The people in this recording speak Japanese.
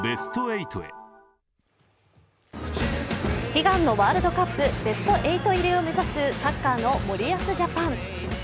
悲願のワールドカップベスト８入りを目指すサッカーの森保ジャパン。